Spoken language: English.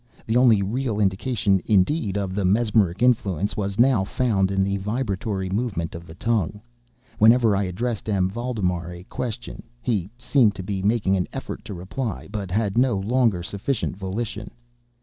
The only real indication, indeed, of the mesmeric influence, was now found in the vibratory movement of the tongue, whenever I addressed M. Valdemar a question. He seemed to be making an effort to reply, but had no longer sufficient volition.